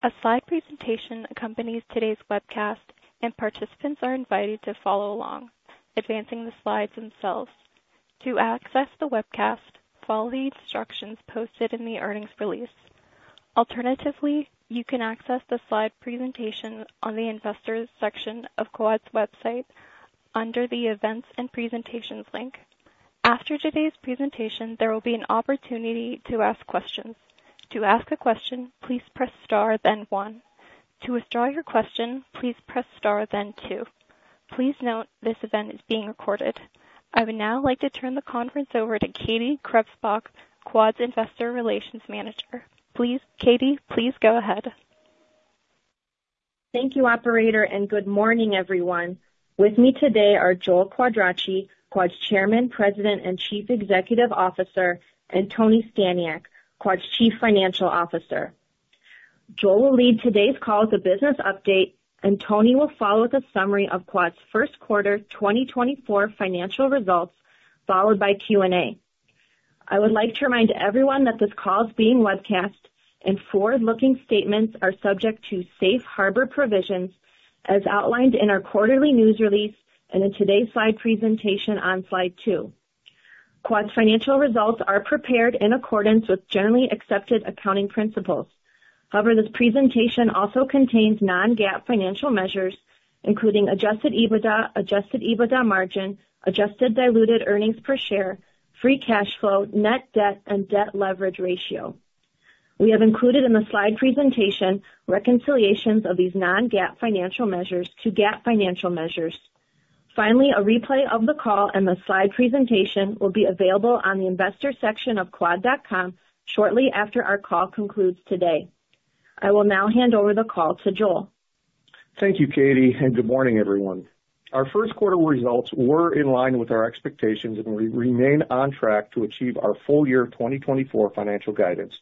A slide presentation accompanies today's webcast, and participants are invited to follow along, advancing the slides themselves. To access the webcast, follow the instructions posted in the earnings release. Alternatively, you can access the slide presentation on the Investors section of Quad's website under the Events and Presentations link. After today's presentation, there will be an opportunity to ask questions. To ask a question, please press star, then one. To withdraw your question, please press star, then two. Please note, this event is being recorded. I would now like to turn the conference over to Katie Krebsbach, Quad's Investor Relations Manager. Please, Katie, please go ahead. Thank you, operator, and good morning, everyone. With me today are Joel Quadracci, Quad's Chairman, President, and Chief Executive Officer, and Tony Staniak, Quad's Chief Financial Officer. Joel will lead today's call with a business update, and Tony will follow with a summary of Quad's first quarter 2024 financial results, followed by Q&A. I would like to remind everyone that this call is being webcast and forward-looking statements are subject to Safe Harbor provisions, as outlined in our quarterly news release and in today's slide presentation on slide two. Quad's financial results are prepared in accordance with generally accepted accounting principles. However, this presentation also contains non-GAAP financial measures, including adjusted EBITDA, adjusted EBITDA margin, adjusted diluted earnings per share, free cash flow, net debt, and debt leverage ratio. We have included in the slide presentation reconciliations of these non-GAAP financial measures to GAAP financial measures. Finally, a replay of the call and the slide presentation will be available on the investor section of quad.com shortly after our call concludes today. I will now hand over the call to Joel. Thank you, Katie, and good morning, everyone. Our first quarter results were in line with our expectations, and we remain on track to achieve our full year 2024 financial guidance.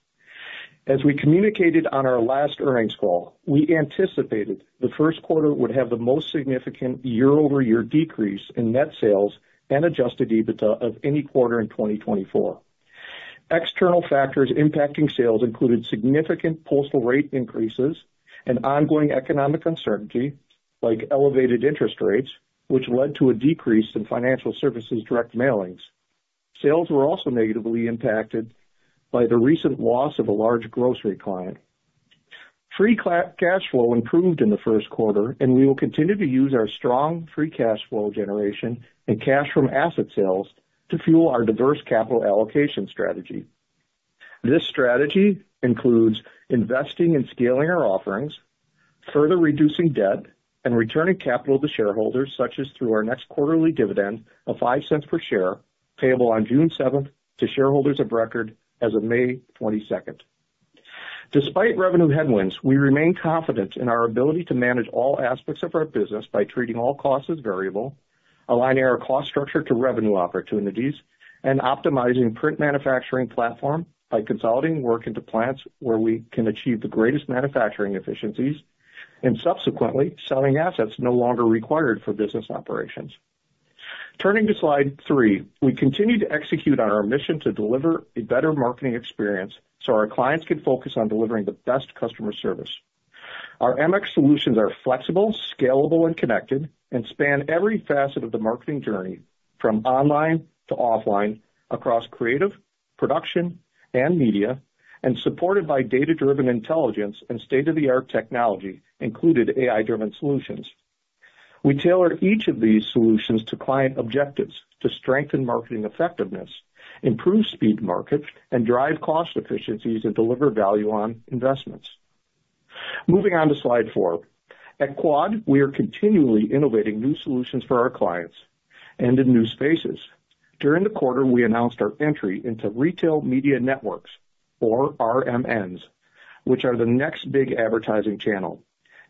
As we communicated on our last earnings call, we anticipated the first quarter would have the most significant year-over-year decrease in net sales and Adjusted EBITDA of any quarter in 2024. External factors impacting sales included significant postal rate increases and ongoing economic uncertainty, like elevated interest rates, which led to a decrease in financial services direct mailings. Sales were also negatively impacted by the recent loss of a large grocery client. Free cash flow improved in the first quarter, and we will continue to use our strong free cash flow generation and cash from asset sales to fuel our diverse capital allocation strategy. This strategy includes investing and scaling our offerings, further reducing debt, and returning capital to shareholders, such as through our next quarterly dividend of $0.05 per share, payable on June 7th, to shareholders of record as of May 22nd. Despite revenue headwinds, we remain confident in our ability to manage all aspects of our business by treating all costs as variable, aligning our cost structure to revenue opportunities, and optimizing print manufacturing platform by consolidating work into plants where we can achieve the greatest manufacturing efficiencies, and subsequently, selling assets no longer required for business operations. Turning to slide 3. We continue to execute on our mission to deliver a better marketing experience so our clients can focus on delivering the best customer service. Our MX solutions are flexible, scalable, and connected and span every facet of the marketing journey, from online to offline, across creative, production, and media, and supported by data-driven intelligence and state-of-the-art technology, including AI-driven solutions. We tailor each of these solutions to client objectives to strengthen marketing effectiveness, improve speed to market, and drive cost efficiencies and deliver value on investments. Moving on to slide 4. At Quad, we are continually innovating new solutions for our clients and in new spaces. During the quarter, we announced our entry into retail media networks, or RMNs, which are the next big advertising channel.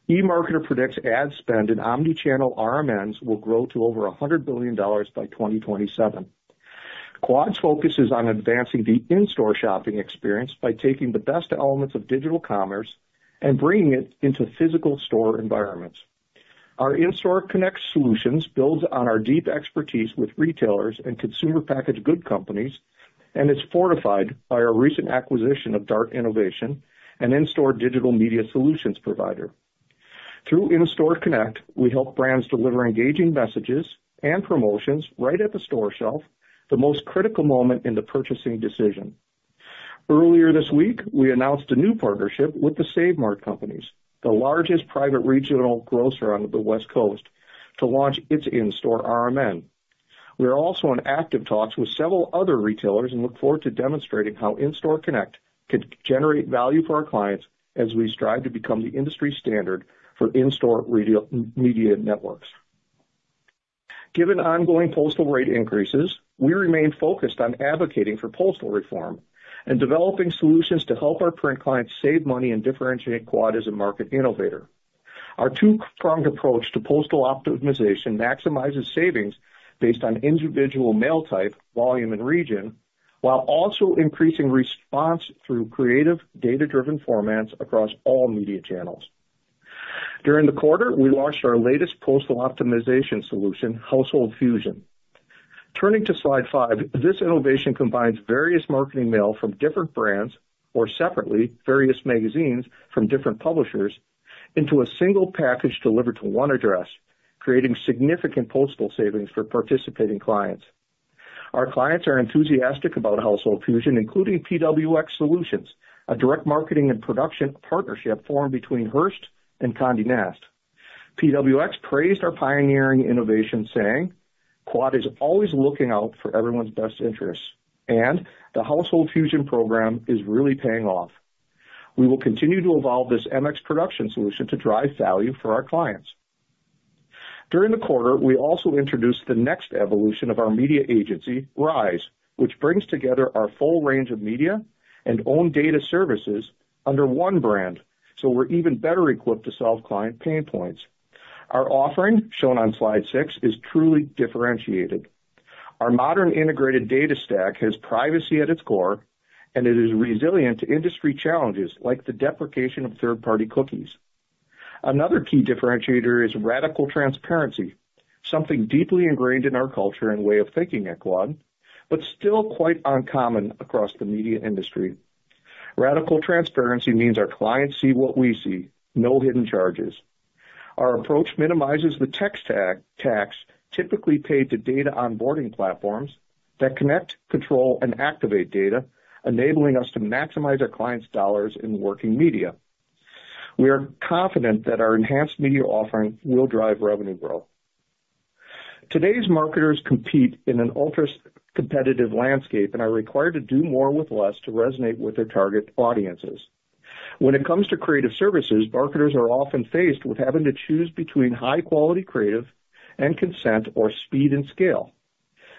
eMarketer predicts ad spend in omni-channel RMNs will grow to over $100 billion by 2027. Quad's focus is on advancing the in-store shopping experience by taking the best elements of digital commerce and bringing it into physical store environments. Our In-Store Connect solutions builds on our deep expertise with retailers and consumer packaged good companies, and is fortified by our recent acquisition of DART Innovation, an in-store digital media solutions provider. Through In-Store Connect, we help brands deliver engaging messages and promotions right at the store shelf, the most critical moment in the purchasing decision. Earlier this week, we announced a new partnership with The Save Mart Companies, the largest private regional grocer on the West Coast, to launch its in-store RMN. We are also in active talks with several other retailers and look forward to demonstrating how In-Store Connect could generate value for our clients as we strive to become the industry standard for in-store retail media networks. Given ongoing postal rate increases, we remain focused on advocating for postal reform and developing solutions to help our current clients save money and differentiate Quad as a market innovator. Our two-pronged approach to postal optimization maximizes savings based on individual mail type, volume, and region, while also increasing response through creative, data-driven formats across all media channels. During the quarter, we launched our latest postal optimization solution, Household Fusion. Turning to Slide 5, this innovation combines various marketing mail from different brands, or separately, various magazines from different publishers, into a single package delivered to one address, creating significant postal savings for participating clients. Our clients are enthusiastic about Household Fusion, including PWX Solutions, a direct marketing and production partnership formed between Hearst and Condé Nast. PWX praised our pioneering innovation, saying, "Quad is always looking out for everyone's best interests, and the Household Fusion program is really paying off." We will continue to evolve this MX production solution to drive value for our clients. During the quarter, we also introduced the next evolution of our Media Agency, Rise, which brings together our full range of media and own data services under one brand, so we're even better equipped to solve client pain points. Our offering, shown on Slide 6, is truly differentiated. Our modern integrated data stack has privacy at its core, and it is resilient to industry challenges, like the deprecation of third-party cookies. Another key differentiator is radical transparency, something deeply ingrained in our culture and way of thinking at Quad, but still quite uncommon across the media industry. Radical transparency means our clients see what we see, no hidden charges. Our approach minimizes the tech tax typically paid to data onboarding platforms that connect, control, and activate data, enabling us to maximize our clients' dollars in working media. We are confident that our enhanced media offering will drive revenue growth. Today's marketers compete in an ultra-competitive landscape and are required to do more with less to resonate with their target audiences. When it comes to creative services, marketers are often faced with having to choose between high quality creative and consent, or speed and scale.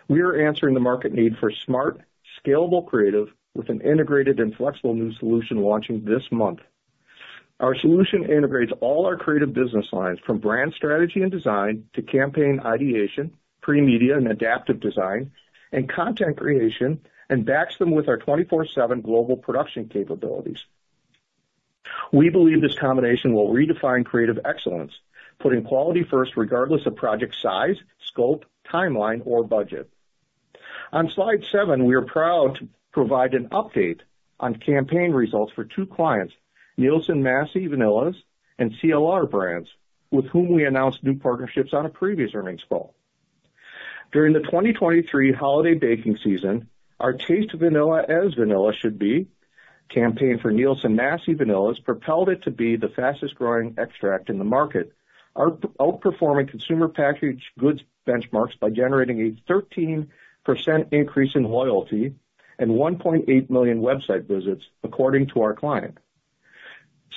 We are answering the market need for smart, scalable creative with an integrated and flexible new solution launching this month. Our solution integrates all our creative business lines from brand strategy and design to campaign ideation, pre-media and adaptive design, and content creation, and backs them with our 24/7 global production capabilities. We believe this combination will redefine creative excellence, putting quality first, regardless of project size, scope, timeline, or budget. On Slide 7, we are proud to provide an update on campaign results for two clients, Nielsen-Massey Vanillas and CLR Brands, with whom we announced new partnerships on a previous earnings call. During the 2023 holiday baking season, our Taste Vanilla as Vanilla Should Be campaign for Nielsen-Massey Vanillas propelled it to be the fastest growing extract in the market, outperforming consumer packaged goods benchmarks by generating a 13% increase in loyalty and 1.8 million website visits, according to our client.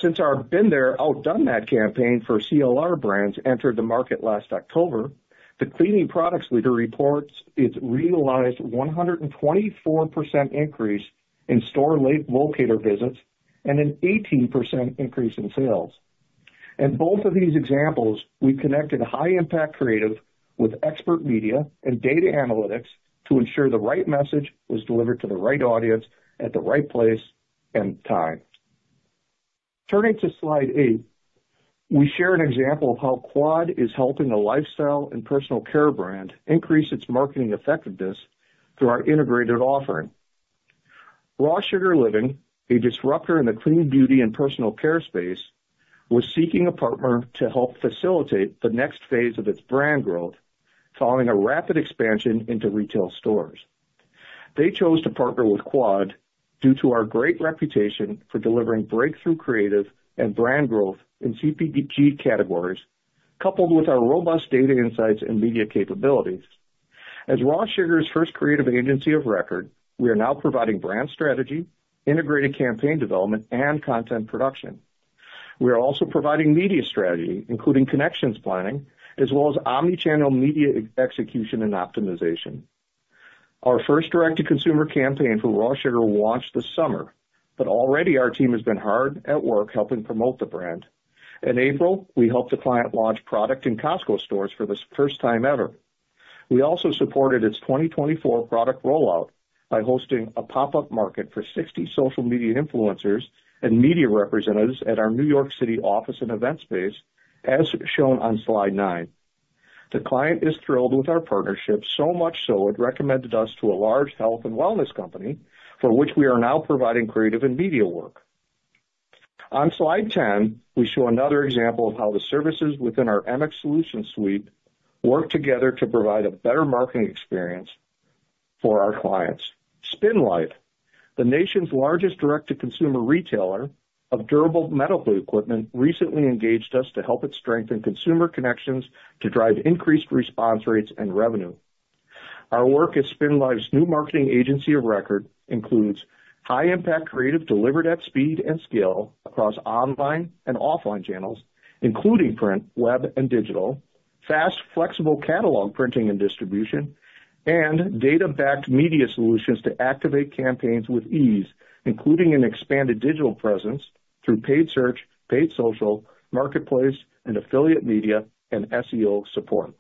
Since our Been There, Outdone That campaign for CLR Brands entered the market last October, the cleaning products leader reports it's realized 124% increase in store locator visits and an 18% increase in sales. In both of these examples, we connected high impact creative with expert media and data analytics to ensure the right message was delivered to the right audience at the right place and time. Turning to Slide 8, we share an example of how Quad is helping a lifestyle and personal care brand increase its marketing effectiveness through our integrated offering. Raw Sugar Living, a disruptor in the clean beauty and personal care space, was seeking a partner to help facilitate the next phase of its brand growth following a rapid expansion into retail stores. They chose to partner with Quad due to our great reputation for delivering breakthrough creative and brand growth in CPG categories, coupled with our robust data insights and media capabilities. As Raw Sugar's first creative agency of record, we are now providing brand strategy, integrated campaign development, and content production. We are also providing media strategy, including connections planning, as well as omni-channel media execution and optimization. Our first direct-to-consumer campaign for Raw Sugar will launch this summer, but already our team has been hard at work helping promote the brand. In April, we helped the client launch product in Costco stores for the first time ever. We also supported its 2024 product rollout by hosting a pop-up market for 60 social media influencers and media representatives at our New York City office and event space, as shown on Slide 9. The client is thrilled with our partnership, so much so it recommended us to a large health and wellness company, for which we are now providing creative and media work. On Slide 10, we show another example of how the services within our MX solution suite work together to provide a better marketing experience for our clients. SpinLife, the nation's largest direct-to-consumer retailer of durable medical equipment, recently engaged us to help it strengthen consumer connections to drive increased response rates and revenue. Our work as SpinLife's new marketing agency of record includes high impact creative, delivered at speed and scale across online and offline channels, including print, web, and digital, fast, flexible catalog printing and distribution, and data-backed media solutions to activate campaigns with ease, including an expanded digital presence through paid search, paid social, marketplace and affiliate media, and SEO support.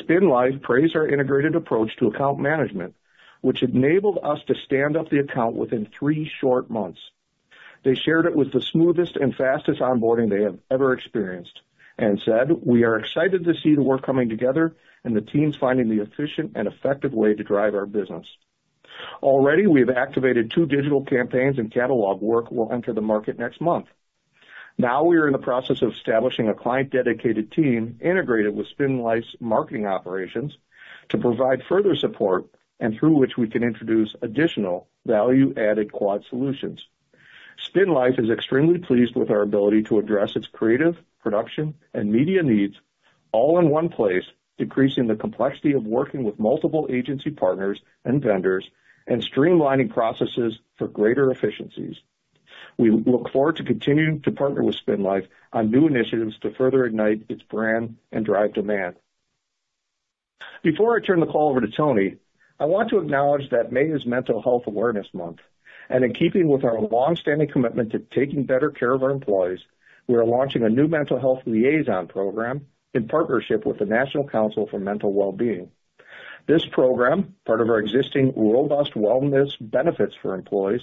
SpinLife praised our integrated approach to account management, which enabled us to stand up the account within three short months. They shared it was the smoothest and fastest onboarding they have ever experienced, and said, "We are excited to see the work coming together and the teams finding the efficient and effective way to drive our business." Already, we have activated two digital campaigns, and catalog work will enter the market next month. Now we are in the process of establishing a client-dedicated team integrated with SpinLife's marketing operations to provide further support, and through which we can introduce additional value-added Quad solutions. SpinLife is extremely pleased with our ability to address its creative, production, and media needs all in one place, decreasing the complexity of working with multiple agency partners and vendors and streamlining processes for greater efficiencies. We look forward to continuing to partner with SpinLife on new initiatives to further ignite its brand and drive demand. Before I turn the call over to Tony, I want to acknowledge that May is Mental Health Awareness Month, and in keeping with our longstanding commitment to taking better care of our employees, we are launching a new mental health liaison program in partnership with the National Council for Mental Wellbeing. This program, part of our existing robust wellness benefits for employees,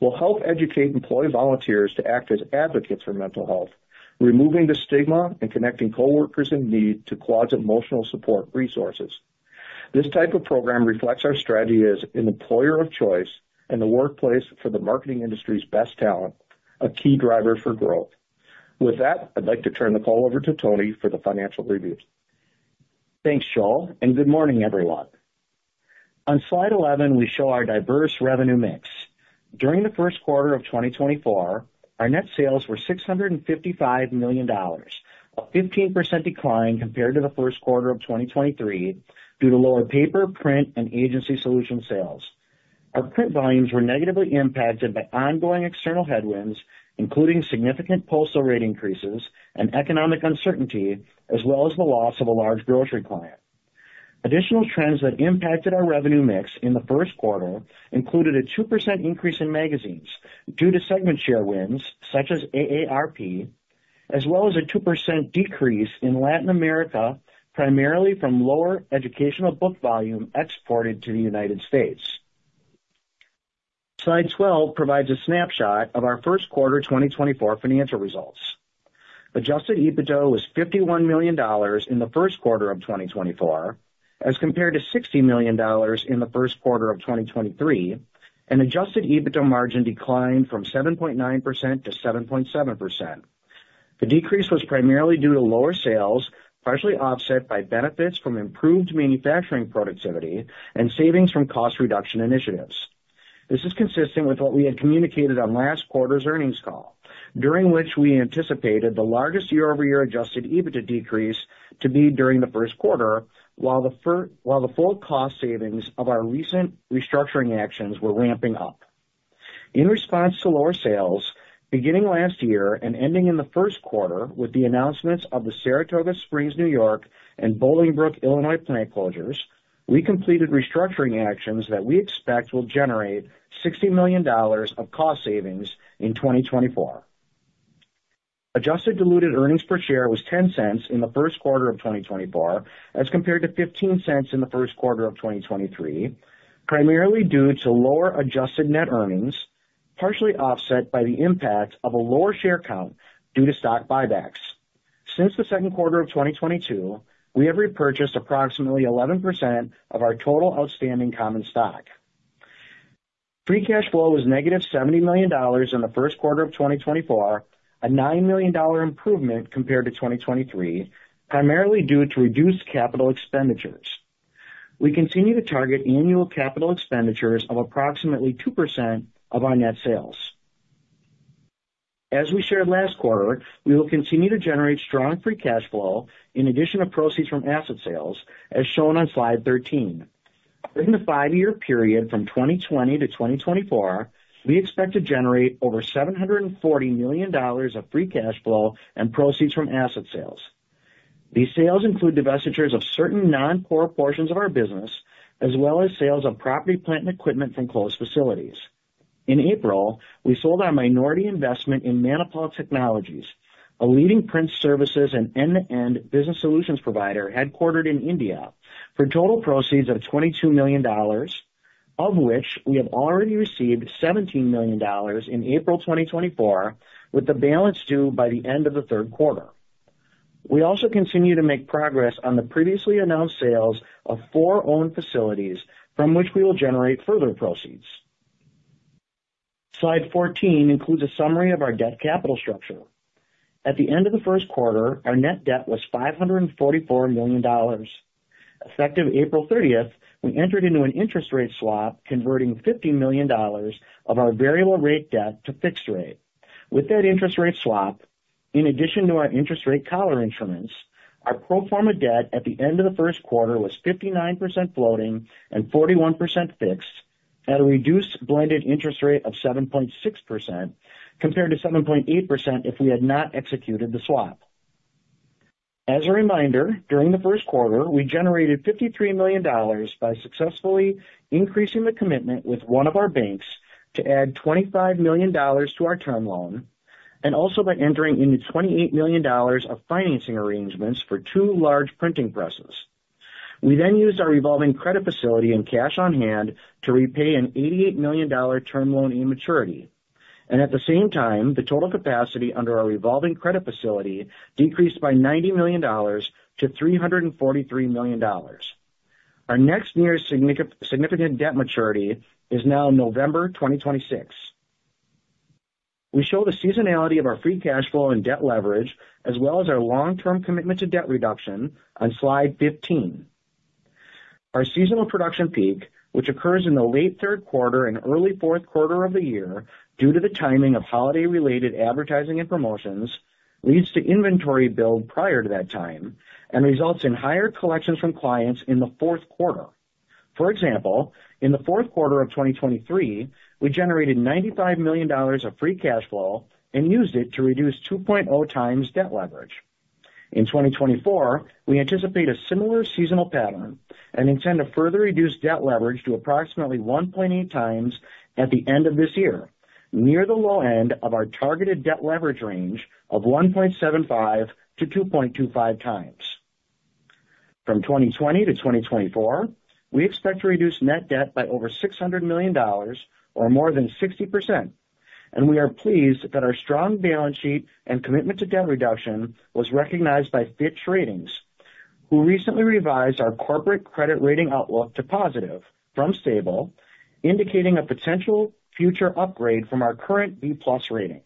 will help educate employee volunteers to act as advocates for mental health, removing the stigma and connecting coworkers in need to Quad's emotional support resources. This type of program reflects our strategy as an employer of choice and the workplace for the marketing industry's best talent, a key driver for growth. With that, I'd like to turn the call over to Tony for the financial review. Thanks, Joel, and good morning, everyone. On slide 11, we show our diverse revenue mix. During the first quarter of 2024, our net sales were $655 million, a 15% decline compared to the first quarter of 2023 due to lower paper, print, and agency solution sales. Our print volumes were negatively impacted by ongoing external headwinds, including significant postal rate increases and economic uncertainty, as well as the loss of a large grocery client. Additional trends that impacted our revenue mix in the first quarter included a 2% increase in magazines due to segment share wins such as AARP, as well as a 2% decrease in Latin America, primarily from lower educational book volume exported to the United States. Slide 12 provides a snapshot of our first quarter 2024 financial results. Adjusted EBITDA was $51 million in the first quarter of 2024, as compared to $60 million in the first quarter of 2023, and adjusted EBITDA margin declined from 7.9%-7.7%. The decrease was primarily due to lower sales, partially offset by benefits from improved manufacturing productivity and savings from cost reduction initiatives. This is consistent with what we had communicated on last quarter's earnings call, during which we anticipated the largest year-over-year adjusted EBITDA decrease to be during the first quarter, while the full cost savings of our recent restructuring actions were ramping up. In response to lower sales, beginning last year and ending in the first quarter with the announcements of the Saratoga Springs, New York, and Bolingbrook, Illinois, plant closures, we completed restructuring actions that we expect will generate $60 million of cost savings in 2024. Adjusted diluted earnings per share was $0.10 in the first quarter of 2024, as compared to $0.15 in the first quarter of 2023, primarily due to lower adjusted net earnings, partially offset by the impact of a lower share count due to stock buybacks. Since the second quarter of 2022, we have repurchased approximately 11% of our total outstanding common stock. Free Cash Flow was negative $70 million in the first quarter of 2024, a $9 million improvement compared to 2023, primarily due to reduced capital expenditures. We continue to target annual capital expenditures of approximately 2% of our net sales. As we shared last quarter, we will continue to generate strong free cash flow in addition to proceeds from asset sales, as shown on Slide 13. During the five-year period from 2020 to 2024, we expect to generate over $740 million of free cash flow and proceeds from asset sales. These sales include divestitures of certain non-core portions of our business, as well as sales of property, plant, and equipment from closed facilities. In April, we sold our minority investment in Manipal Technologies, a leading print services and end-to-end business solutions provider headquartered in India, for total proceeds of $22 million, of which we have already received $17 million in April 2024, with the balance due by the end of the third quarter. We also continue to make progress on the previously announced sales of four owned facilities from which we will generate further proceeds. Slide 14 includes a summary of our debt capital structure. At the end of the first quarter, our net debt was $544 million. Effective April 30th, we entered into an interest rate swap, converting $50 million of our variable rate debt to fixed rate. With that interest rate swap, in addition to our interest rate collar instruments, our pro forma debt at the end of the first quarter was 59% floating and 41% fixed, at a reduced blended interest rate of 7.6%, compared to 7.8% if we had not executed the swap. As a reminder, during the first quarter, we generated $53 million by successfully increasing the commitment with one of our banks to add $25 million to our term loan, and also by entering into $28 million of financing arrangements for two large printing presses. We then used our revolving credit facility and cash on hand to repay an $88 million term loan maturity. And at the same time, the total capacity under our revolving credit facility decreased by $90 million-$343 million. Our next nearest significant debt maturity is now November 2026. We show the seasonality of our free cash flow and debt leverage, as well as our long-term commitment to debt reduction on Slide 15. Our seasonal production peak, which occurs in the late third quarter and early fourth quarter of the year, due to the timing of holiday-related advertising and promotions, leads to inventory build prior to that time and results in higher collections from clients in the fourth quarter. For example, in the fourth quarter of 2023, we generated $95 million of free cash flow and used it to reduce 2.0x debt leverage. In 2024, we anticipate a similar seasonal pattern and intend to further reduce debt leverage to approximately 1.8x at the end of this year, near the low end of our targeted debt leverage range of 1.75-2.25x. From 2020 to 2024, we expect to reduce net debt by over $600 million or more than 60%, and we are pleased that our strong balance sheet and commitment to debt reduction was recognized by Fitch Ratings, who recently revised our corporate credit rating outlook to positive from stable, indicating a potential future upgrade from our current B+ rating.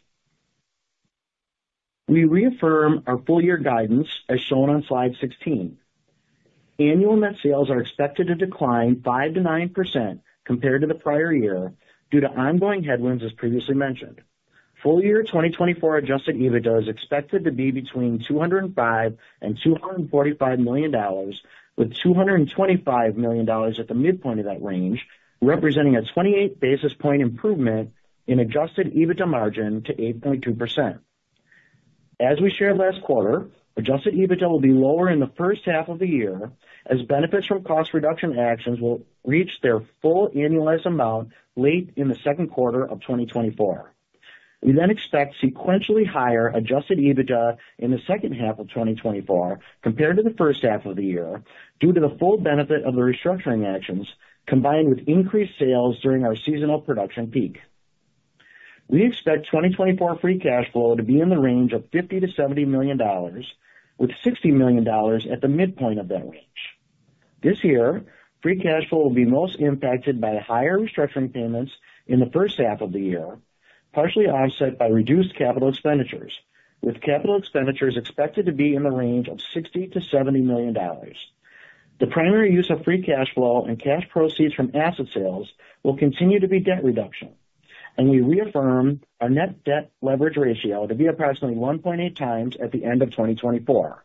We reaffirm our full-year guidance, as shown on Slide 16. Annual net sales are expected to decline 5%-9% compared to the prior year, due to ongoing headwinds, as previously mentioned. Full year 2024 adjusted EBITDA is expected to be between $205 million and $245 million, with $225 million at the midpoint of that range, representing a 28 basis point improvement in adjusted EBITDA margin to 8.2%. As we shared last quarter, Adjusted EBITDA will be lower in the first half of the year, as benefits from cost reduction actions will reach their full annualized amount late in the second quarter of 2024. We then expect sequentially higher Adjusted EBITDA in the second half of 2024 compared to the first half of the year, due to the full benefit of the restructuring actions, combined with increased sales during our seasonal production peak. We expect 2024 Free Cash Flow to be in the range of $50 million-$70 million, with $60 million at the midpoint of that range. This year, Free Cash Flow will be most impacted by higher restructuring payments in the first half of the year, partially offset by reduced capital expenditures, with capital expenditures expected to be in the range of $60 million-$70 million. The primary use of free cash flow and cash proceeds from asset sales will continue to be debt reduction, and we reaffirm our net debt leverage ratio to be approximately 1.8x at the end of 2024.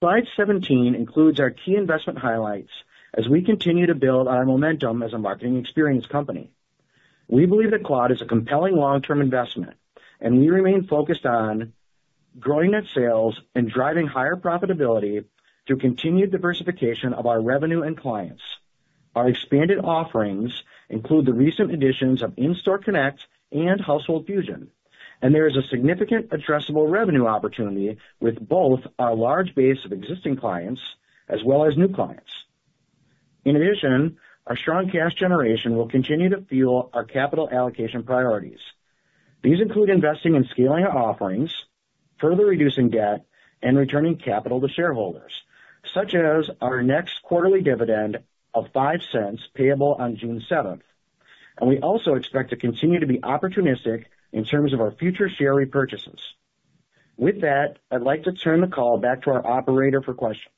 Slide 17 includes our key investment highlights as we continue to build on our momentum as a marketing experience company. We believe that Quad is a compelling long-term investment, and we remain focused on growing net sales and driving higher profitability through continued diversification of our revenue and clients. Our expanded offerings include the recent additions of In-Store Connect and Household Fusion, and there is a significant addressable revenue opportunity with both our large base of existing clients as well as new clients. In addition, our strong cash generation will continue to fuel our capital allocation priorities. These include investing in scaling our offerings, further reducing debt, and returning capital to shareholders, such as our next quarterly dividend of $0.05, payable on June 7th, and we also expect to continue to be opportunistic in terms of our future share repurchases. With that, I'd like to turn the call back to our operator for questions.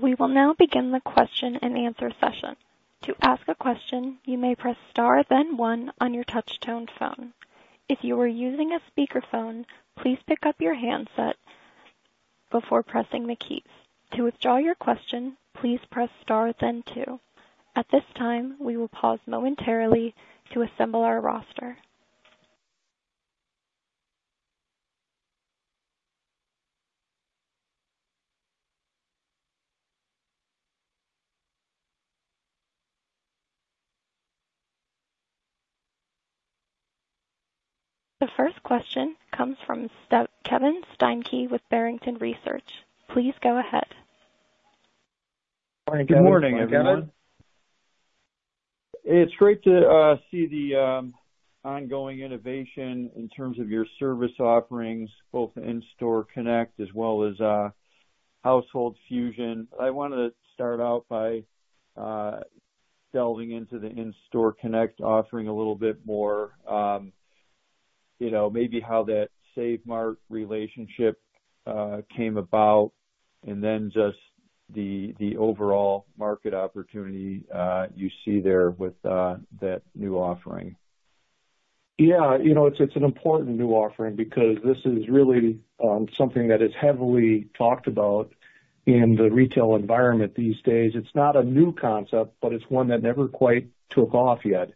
We will now begin the question-and-answer session. To ask a question, you may press star, then one on your touchtone phone. If you are using a speakerphone, please pick up your handset before pressing the keys. To withdraw your question, please press star, then two. At this time, we will pause momentarily to assemble our roster. The first question comes from Kevin Steinke with Barrington Research. Please go ahead. Good morning, Kevin. It's great to see the ongoing innovation in terms of your service offerings, both In-Store Connect as well as Household Fusion. I wanna start out by delving into the In-Store Connect offering a little bit more, you know, maybe how that Save Mart relationship came about, and then just the overall market opportunity you see there with that new offering. Yeah, you know, it's an important new offering because this is really something that is heavily talked about in the retail environment these days. It's not a new concept, but it's one that never quite took off yet.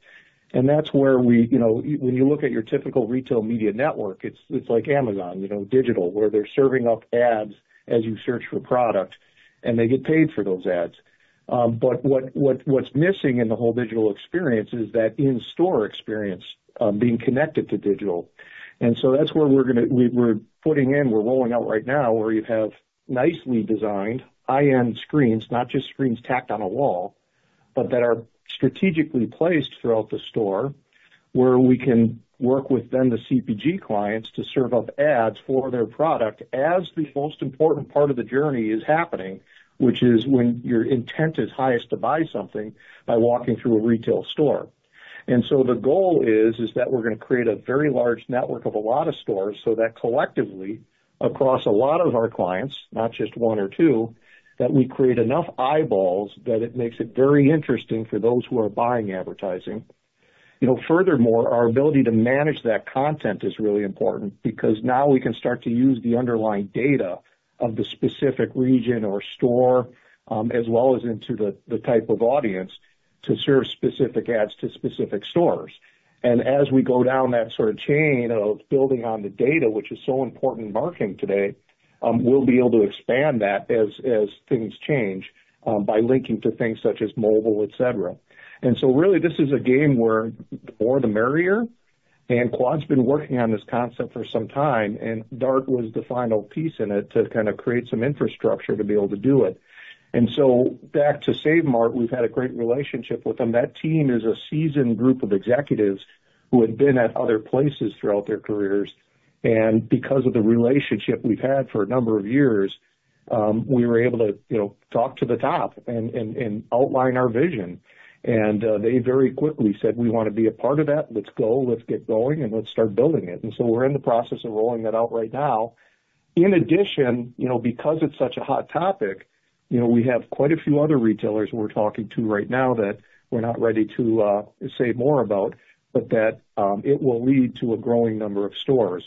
And that's where we, you know, when you look at your typical retail media network, it's like Amazon, you know, digital, where they're serving up ads as you search for product, and they get paid for those ads. But what's missing in the whole digital experience is that In-Store experience being connected to digital. And so that's where we're rolling out right now, where you have nicely designed high-end screens, not just screens tacked on a wall, but that are strategically placed throughout the store, where we can work with the CPG clients to serve up ads for their product as the most important part of the journey is happening, which is when your intent is highest to buy something by walking through a retail store. And so the goal is that we're gonna create a very large network of a lot of stores, so that collectively, across a lot of our clients, not just one or two, that we create enough eyeballs that it makes it very interesting for those who are buying advertising. You know, furthermore, our ability to manage that content is really important because now we can start to use the underlying data of the specific region or store, as well as into the type of audience, to serve specific ads to specific stores. And as we go down that sort of chain of building on the data, which is so important in marketing today, we'll be able to expand that as things change, by linking to things such as mobile, et cetera. And so really, this is a game where the more, the merrier, and Quad's been working on this concept for some time, and DART was the final piece in it to kind of create some infrastructure to be able to do it. And so back to Save Mart, we've had a great relationship with them. That team is a seasoned group of executives who have been at other places throughout their careers, and because of the relationship we've had for a number of years, we were able to, you know, talk to the top and outline our vision. And they very quickly said, "We want to be a part of that. Let's go. Let's get going and let's start building it." And so we're in the process of rolling that out right now. In addition, you know, because it's such a hot topic, you know, we have quite a few other retailers we're talking to right now that we're not ready to say more about, but that it will lead to a growing number of stores.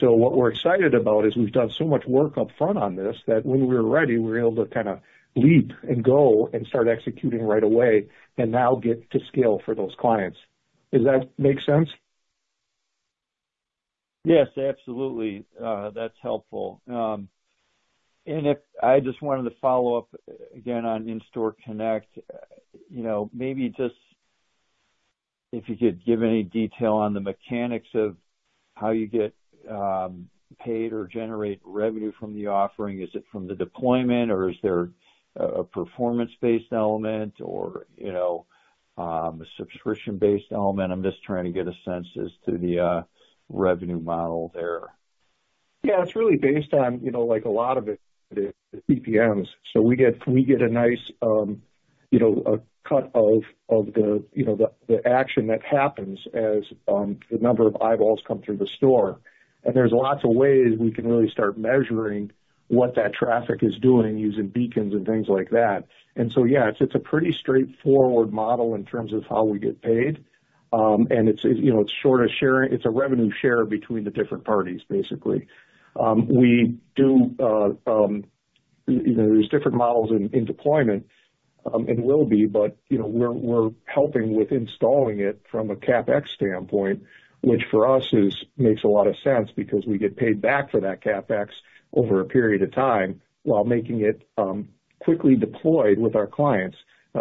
So what we're excited about is we've done so much work upfront on this, that when we're ready, we're able to kind of leap and go and start executing right away, and now get to scale for those clients. Does that make sense? Yes, absolutely. That's helpful. And if I just wanted to follow-up again on In-Store Connect. You know, maybe just if you could give any detail on the mechanics of how you get paid or generate revenue from the offering. Is it from the deployment, or is there a performance-based element or, you know, a subscription-based element? I'm just trying to get a sense as to the revenue model there. Yeah, it's really based on, you know, like a lot of it, the CPMs. So we get a nice, you know, a cut of the, you know, the action that happens as the number of eyeballs come through the store. And there's lots of ways we can really start measuring what that traffic is doing, using beacons and things like that. And so, yeah, it's a pretty straightforward model in terms of how we get paid. And it's, you know, it's short of sharing—It's a revenue share between the different parties, basically. We do, you know, there's different models in deployment, and will be, but, you know, we're helping with installing it from a CapEx standpoint, which for us makes a lot of sense because we get paid back for that CapEx over a period of time, while making it quickly deployed with our clients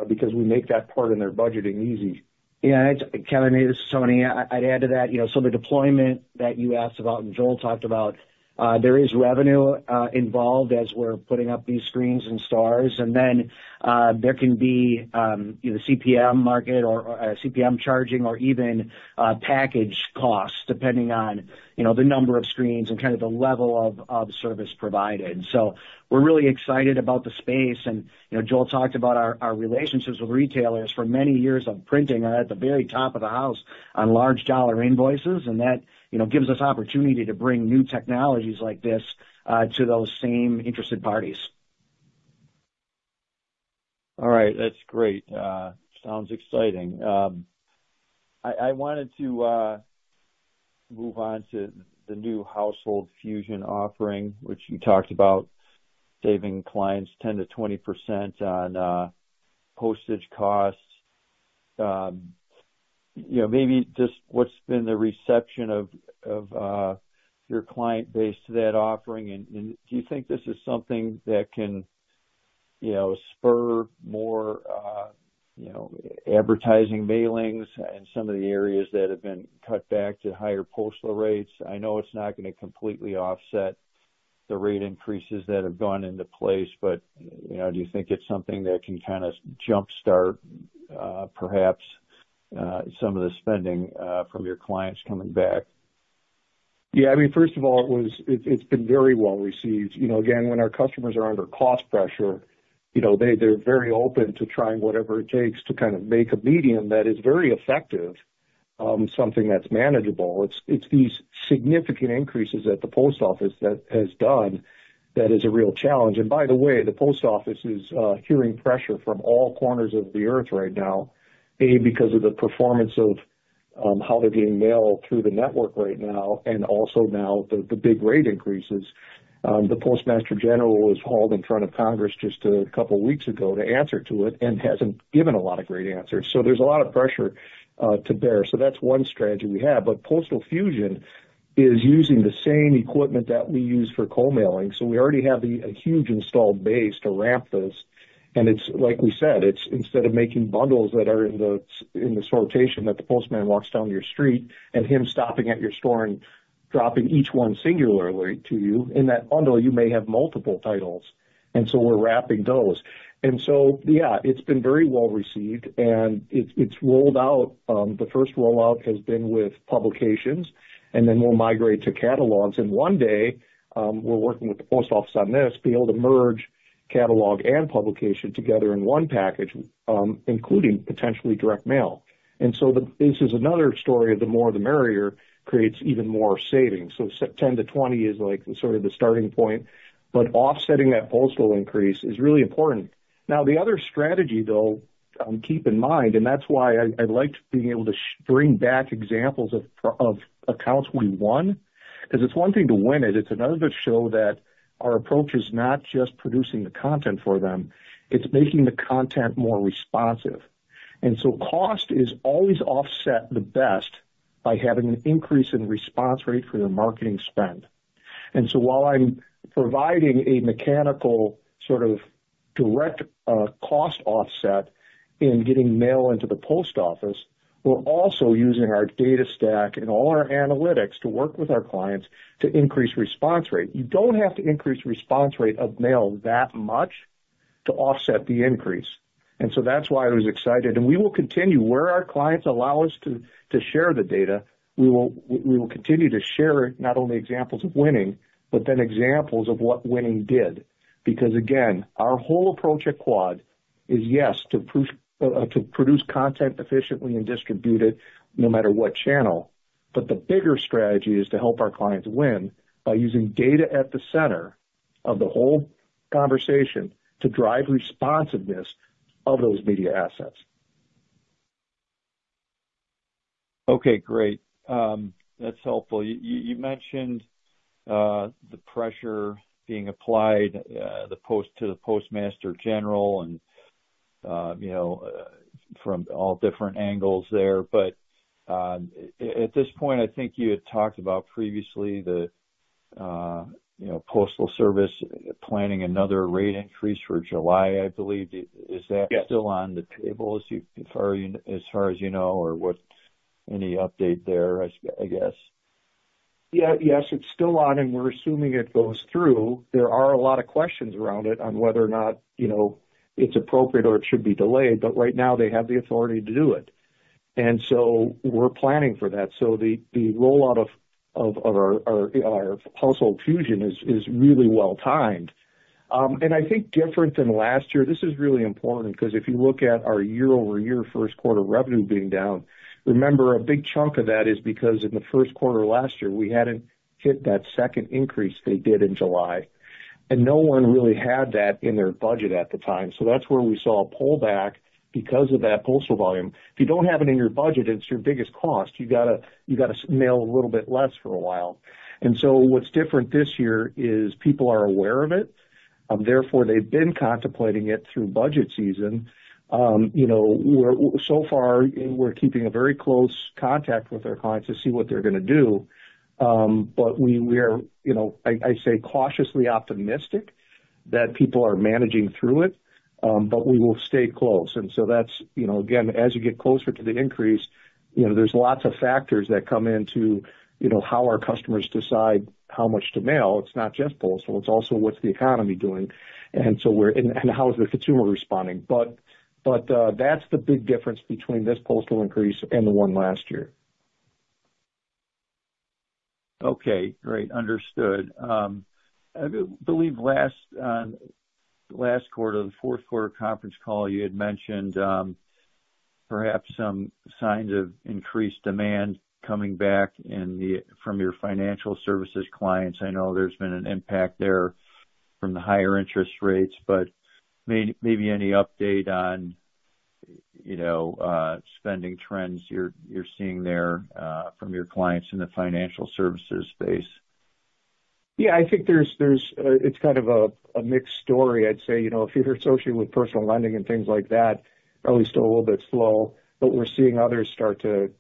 because we make that part in their budgeting easy. Yeah, and Kevin, hey, this is Tony. I'd add to that, you know, so the deployment that you asked about and Joel talked about, there is revenue involved as we're putting up these screens in stores. And then, there can be, you know, CPM market or, CPM charging or even, package costs, depending on, you know, the number of screens and kind of the level of service provided. So we're really excited about the space, and, you know, Joel talked about our relationships with retailers for many years of printing are at the very top of the house on large dollar invoices, and that, you know, gives us opportunity to bring new technologies like this, to those same interested parties. All right. That's great. Sounds exciting. I wanted to move on to the new Household Fusion offering, which you talked about saving clients 10%-20% on postage costs. You know, maybe just what's been the reception of your client base to that offering? And do you think this is something that can, you know, spur more, you know, advertising mailings in some of the areas that have been cut back to higher postal rates? I know it's not gonna completely offset the rate increases that have gone into place, but, you know, do you think it's something that can kind of jumpstart perhaps some of the spending from your clients coming back? Yeah, I mean, first of all, it was, it, it's been very well received. You know, again, when our customers are under cost pressure, you know, they, they're very open to trying whatever it takes to kind of make a medium that is very effective, something that's manageable. It's, it's these significant increases at the post office that has done that is a real challenge. And by the way, the post office is hearing pressure from all corners of the earth right now, because of the performance of how they're getting mail through the network right now, and also now the, the big rate increases. The Postmaster General was hauled in front of Congress just a couple weeks ago to answer to it and hasn't given a lot of great answers. So there's a lot of pressure to bear. So that's one strategy we have. But Household Fusion is using the same equipment that we use for co-mailing, so we already have a huge installed base to ramp this. And it's like we said, it's instead of making bundles that are in the sortation, that the postman walks down your street and him stopping at your store and dropping each one singularly to you, in that bundle, you may have multiple titles, and so we're wrapping those. And so, yeah, it's been very well received, and it's rolled out, the first rollout has been with publications, and then we'll migrate to catalogs. And one day, we're working with the post office on this, be able to merge catalog and publication together in one package, including potentially direct mail. And so this is another story of the more the merrier, creates even more savings. So 10%-20% is, like, sort of the starting point, but offsetting that postal increase is really important. Now, the other strategy, though, keep in mind, and that's why I, I liked being able to bring back examples of of accounts we won, because it's one thing to win it, it's another to show that our approach is not just producing the content for them, it's making the content more responsive. And so cost is always offset the best by having an increase in response rate for your marketing spend. And so while I'm providing a mechanical, sort of, direct, cost offset in getting mail into the post office, we're also using our data stack and all our analytics to work with our clients to increase response rate. You don't have to increase response rate of mail that much to offset the increase, and so that's why I was excited. We will continue, where our clients allow us to, to share the data. We will continue to share not only examples of winning, but then examples of what winning did. Because again, our whole approach at Quad is, yes, to produce content efficiently and distribute it no matter what channel, but the bigger strategy is to help our clients win by using data at the center of the whole conversation to drive responsiveness of those media assets. Okay, great. That's helpful. You mentioned the pressure being applied to the Postmaster General and, you know, from all different angles there. But at this point, I think you had talked about previously the, you know, Postal Service planning another rate increase for July, I believe. Did. Yes. Is that still on the table as you, as far as, as far as you know, or what's any update there, I guess? Yeah. Yes, it's still on, and we're assuming it goes through. There are a lot of questions around it on whether or not, you know, it's appropriate or it should be delayed, but right now, they have the authority to do it. And so we're planning for that. So the rollout of our Household Fusion is really well timed. And I think different than last year, this is really important because if you look at our year-over-year first quarter revenue being down, remember, a big chunk of that is because in the first quarter of last year, we hadn't hit that second increase they did in July, and no one really had that in their budget at the time. So that's where we saw a pullback because of that postal volume. If you don't have it in your budget, it's your biggest cost. You gotta, you gotta mail a little bit less for a while. So what's different this year is people are aware of it, therefore, they've been contemplating it through budget season. You know, so far, we're keeping a very close contact with our clients to see what they're gonna do. But we are, you know, I say cautiously optimistic that people are managing through it, but we will stay close. So that's, you know, again, as you get closer to the increase, you know, there's lots of factors that come into, you know, how our customers decide how much to mail. It's not just postal, it's also what's the economy doing, and so, and how is the consumer responding? But that's the big difference between this postal increase and the one last year. Okay, great. Understood. I believe last quarter, the fourth quarter conference call, you had mentioned perhaps some signs of increased demand coming back in the from your financial services clients. I know there's been an impact there from the higher interest rates, but maybe any update on, you know, spending trends you're seeing there from your clients in the financial services space? Yeah, I think it's kind of a mixed story. I'd say, you know, if you're associated with personal lending and things like that, probably still a little bit slow, but we're seeing others start to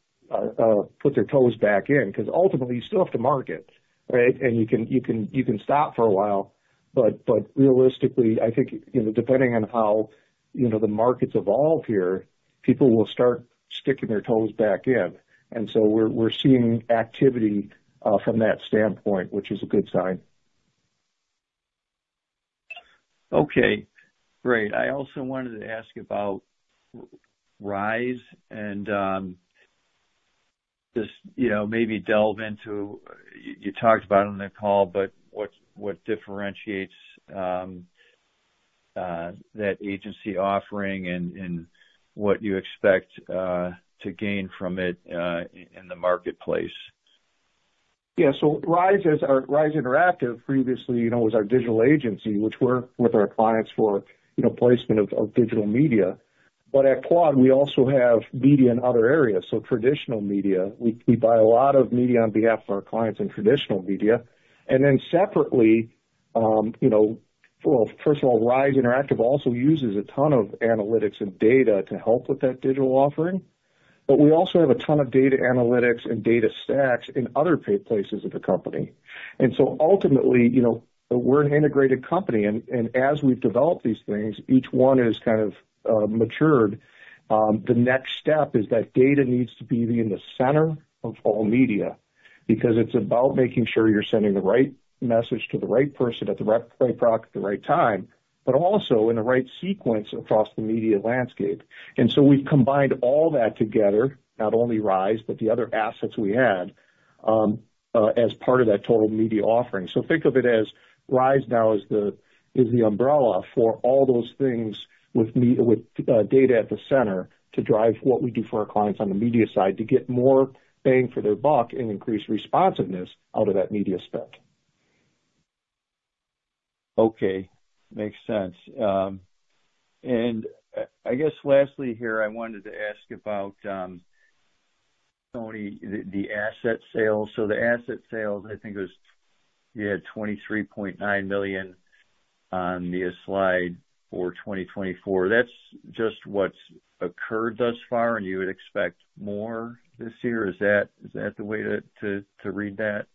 put their toes back in. Because ultimately, you still have to market, right? And you can stop for a while, but realistically, I think, you know, depending on how, you know, the markets evolve here, people will start sticking their toes back in. And so we're seeing activity from that standpoint, which is a good sign. Okay, great. I also wanted to ask about Rise and, just, you know, maybe delve into, you talked about it on the call, but what differentiates that agency offering and what you expect to gain from it in the marketplace? Yeah. So Rise is, or Rise Interactive, previously, you know, was our digital agency, which worked with our clients for, you know, placement of, of digital media. But at Quad, we also have media in other areas. So traditional media, we, we buy a lot of media on behalf of our clients in traditional media. And then separately, you know, well, first of all, Rise Interactive also uses a ton of analytics and data to help with that digital offering. But we also have a ton of data analytics and data stacks in other places of the company. And so ultimately, you know, we're an integrated company, and, and as we've developed these things, each one has kind of, matured. The next step is that data needs to be in the center of all media, because it's about making sure you're sending the right message to the right person at the right product, at the right time, but also in the right sequence across the media landscape. And so we've combined all that together, not only Rise, but the other assets we had, as part of that total media offering. So think of it as Rise now is the, is the umbrella for all those things with data at the center to drive what we do for our clients on the media side, to get more bang for their buck and increase responsiveness out of that media spec. Okay, makes sense. And I guess lastly here, I wanted to ask about Tony, the asset sales. So the asset sales, I think it was, you had $23.9 million on the slide for 2024. That's just what's occurred thus far, and you would expect more this year? Is that the way to read that?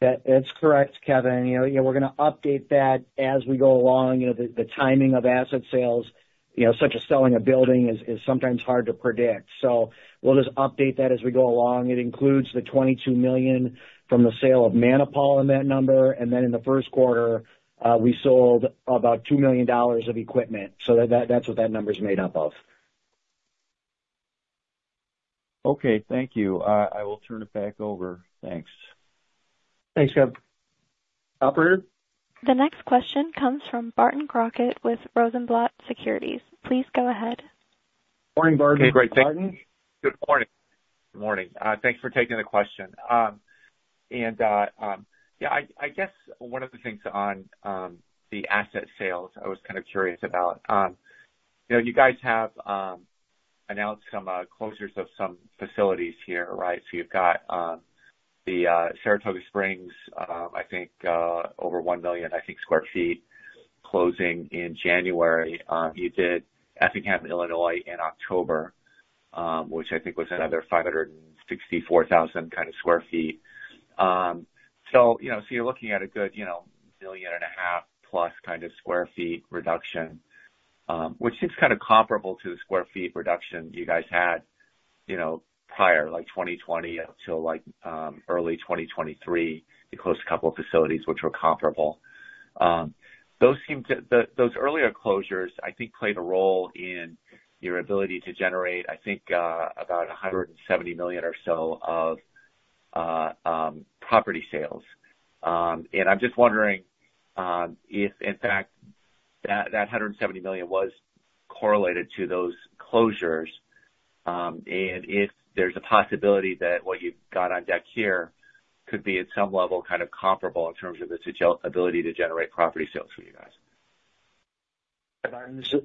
That's correct, Kevin. You know, yeah, we're gonna update that as we go along. You know, the timing of asset sales, you know, such as selling a building is sometimes hard to predict. So we'll just update that as we go along. It includes the $22 million from the sale of Manipal in that number, and then in the first quarter, we sold about $2 million of equipment. So that's what that number is made up of. Okay, thank you. I will turn it back over. Thanks. Thanks, Kevin. Operator? The next question comes from Barton Crockett with Rosenblatt Securities. Please go ahead. Morning, Barton. Great. Good morning. Morning. Thanks for taking the question. And, yeah, I guess one of the things on the asset sales, I was kind of curious about, you know, you guys have announced some closures of some facilities here, right? So you've got the Saratoga Springs, I think, over 1 million sq ft closing in January. You did Effingham, Illinois, in October, which I think was another 564,000 kind of sq ft. So, you know, you're looking at a good, you know, 1.5 billion+ kind of sq ft reduction, which seems kind of comparable to the sq ft reduction you guys had, you know, prior, like, 2020 until, like, early 2023. You closed a couple of facilities which were comparable. Those earlier closures, I think, played a role in your ability to generate, I think, about $170 million or so of property sales. And I'm just wondering, if in fact, that $170 million was correlated to those closures, and if there's a possibility that what you've got on deck here could be at some level, kind of comparable in terms of its agility to generate property sales for you guys.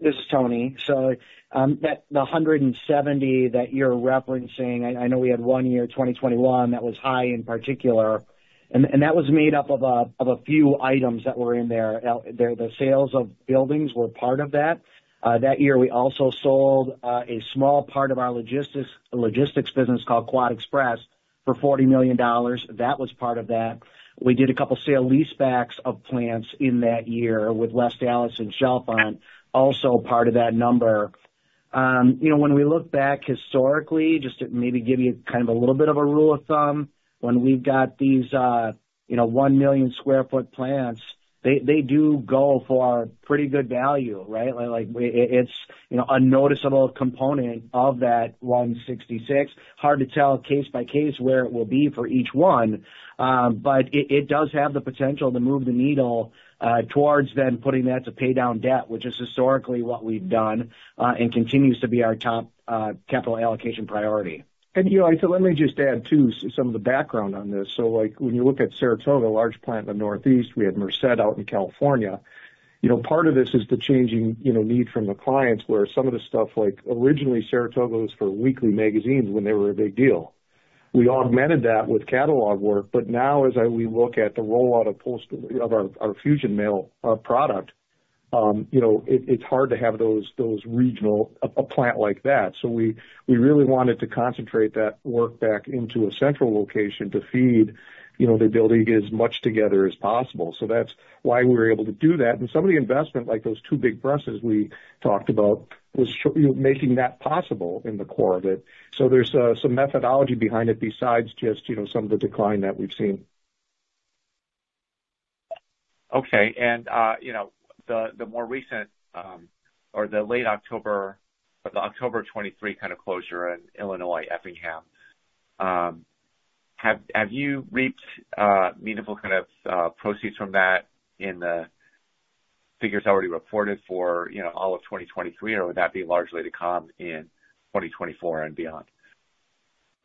This is Tony. So, the $170 million that you're referencing, I know we had one year, 2021, that was high in particular, and that was made up of a few items that were in there. The sales of buildings were part of that. That year, we also sold a small part of our logistics business called Quad Express for $40 million. That was part of that. We did a couple sale-leasebacks of plants in that year in West Allis, Chalfont, also part of that number. You know, when we look back historically, just to maybe give you kind of a little bit of a rule of thumb, when we've got these 1 million sq ft plants, they do go for pretty good value, right? Like, it's, you know, a noticeable component of that $166. Hard to tell case by case where it will be for each one, but it, it does have the potential to move the needle, towards then putting that to pay down debt, which is historically what we've done, and continues to be our top, capital allocation priority. You know, so let me just add, too, some of the background on this. So, like, when you look at Saratoga, a large plant in the Northeast, we had Merced out in California. You know, part of this is the changing, you know, need from the clients, where some of the stuff, like originally Saratoga, was for weekly magazines when they were a big deal. We augmented that with catalog work, but now as we look at the rollout of postal of our fusion mail product, you know, it's hard to have those regional a plant like that. So we really wanted to concentrate that work back into a central location to feed, you know, the ability to get as much together as possible. So that's why we were able to do that. Some of the investment, like those two big presses we talked about, was making that possible in the core of it. So there's some methodology behind it besides just, you know, some of the decline that we've seen. Okay. And, you know, the more recent, or the late October, the October 2023 kind of closure in Illinois, Effingham, have you reaped meaningful kind of proceeds from that in the figures already reported for, you know, all of 2023? Or would that be largely to come in 2024 and beyond?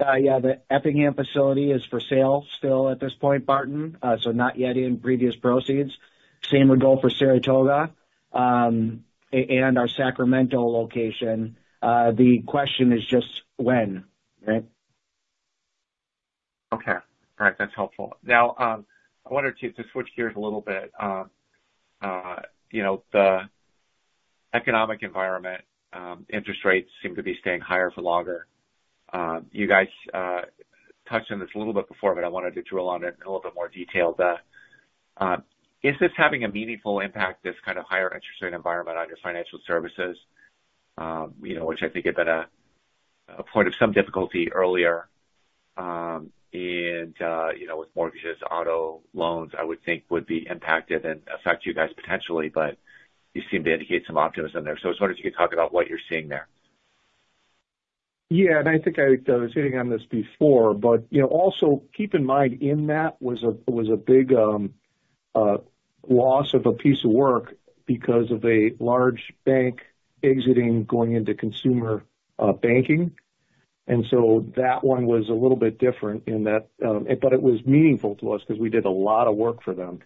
Yeah, the Effingham facility is for sale still at this point, Barton. So not yet in previous proceeds. Same would go for Saratoga, and our Sacramento location. The question is just when, right? Okay. All right, that's helpful. Now, I wanted to switch gears a little bit. You know, the economic environment, interest rates seem to be staying higher for longer. You guys touched on this a little bit before, but I wanted to drill on it in a little bit more detail. Is this having a meaningful impact, this kind of higher interest rate environment on your financial services? You know, which I think had been a point of some difficulty earlier. And you know, with mortgages, auto loans, I would think would be impacted and affect you guys potentially, but you seem to indicate some optimism there. So I was wondering if you could talk about what you're seeing there. Yeah, and I think I, I was hitting on this before, but, you know, also keep in mind that that was a big loss of a piece of work because of a large bank exiting, going into consumer banking. And so that one was a little bit different in that, but it was meaningful to us because we did a lot of work for them.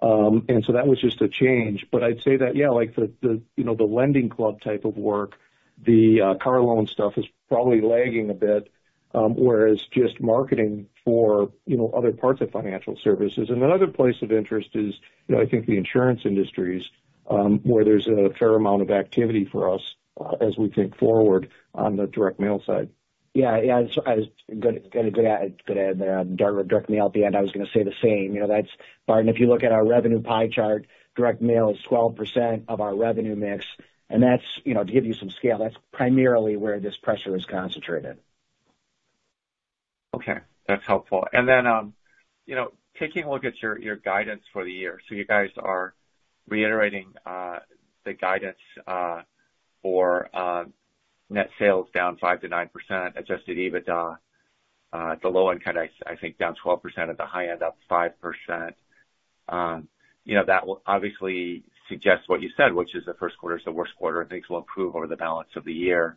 And so that was just a change. But I'd say that, yeah, like, the, the, you know, the LendingClub type of work, the car loan stuff is probably lagging a bit, whereas just marketing for, you know, other parts of financial services. And another place of interest is, you know, I think the insurance industries, where there's a fair amount of activity for us, as we think forward on the direct mail side. Yeah. Yeah, I was good to add direct mail at the end. I was gonna say the same. You know, that's, Barton, if you look at our revenue pie chart, direct mail is 12% of our revenue mix, and that's, you know, to give you some scale, that's primarily where this pressure is concentrated. Okay, that's helpful. And then, you know, taking a look at your guidance for the year. So you guys are reiterating the guidance for net sales down 5%-9%, Adjusted EBITDA at the low end, kind of, I think down 12%, at the high end, up 5%. You know, that will obviously suggest what you said, which is the first quarter is the worst quarter, and things will improve over the balance of the year.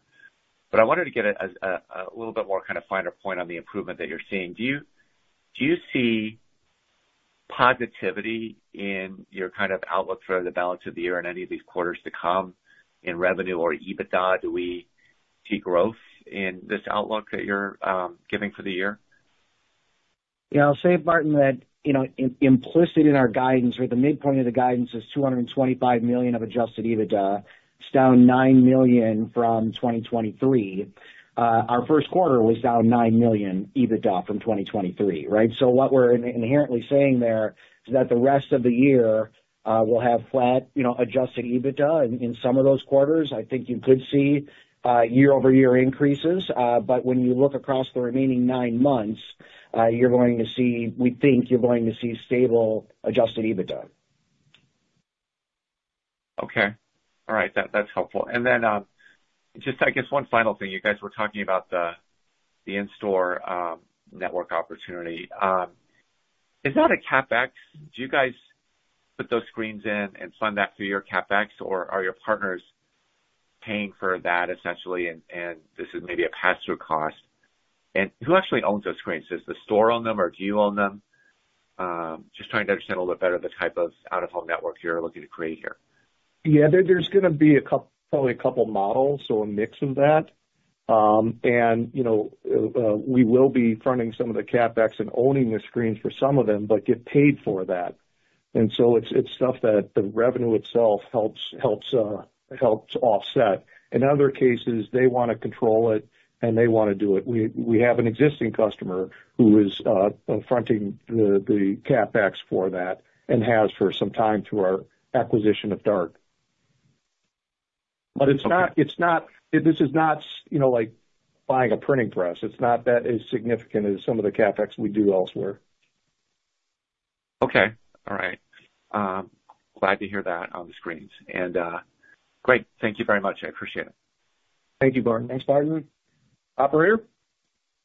But I wanted to get a little bit more kind of finer point on the improvement that you're seeing. Do you see positivity in your kind of outlook for the balance of the year in any of these quarters to come in revenue or EBITDA? Do we see growth in this outlook that you're giving for the year? Yeah, I'll say, Barton, that, you know, implicit in our guidance or the midpoint of the guidance is $225 million of adjusted EBITDA. It's down $9 million from 2023. Our first quarter was down $9 million EBITDA from 2023, right? So what we're inherently saying there is that the rest of the year will have flat, you know, adjusted EBITDA. In some of those quarters, I think you could see year-over-year increases. But when you look across the remaining 9 months, you're going to see. We think you're going to see stable, adjusted EBITDA. Okay. All right, that, that's helpful. And then, just I guess one final thing, you guys were talking about the, the in-store, network opportunity. Is that a CapEx? Do you guys put those screens in and fund that through your CapEx, or are your partners paying for that essentially, and, and this is maybe a pass-through cost? And who actually owns those screens? Does the store own them or do you own them? Just trying to understand a little bit better the type of out-of-home network you're looking to create here. Yeah, there, there's gonna be probably a couple models, so a mix of that. And, you know, we will be fronting some of the CapEx and owning the screens for some of them, but get paid for that. And so it's stuff that the revenue itself helps offset. In other cases, they want to control it, and they want to do it. We have an existing customer who is fronting the CapEx for that and has for some time through our acquisition of DART. But it's not. This is not, you know, like buying a printing press. It's not that as significant as some of the CapEx we do elsewhere. Okay. All right. Glad to hear that on the screens. And, great. Thank you very much. I appreciate it. Thank you, Barton. Thanks, Barton. Operator?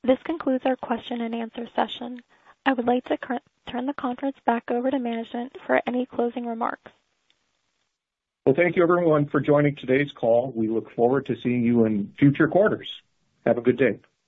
This concludes our question and answer session. I would like to turn the conference back over to management for any closing remarks. Well, thank you, everyone, for joining today's call. We look forward to seeing you in future quarters. Have a good day.